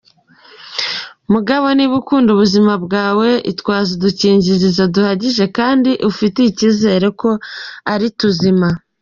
Mugabo niba ukunda ubuzima bawe, itwaze udukingirizo duhagije kandi ufitiye ikizere ko ari tuzima.